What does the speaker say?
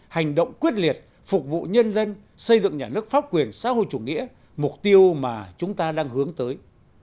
hành động quyết liệt phục vụ nhân dân xây dựng nhà nước pháp quyền xã hội chủ nghĩa mục tiêu mà chúng ta đang hướng tới